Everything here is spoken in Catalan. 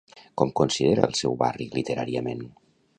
Com considera el seu barri literàriament?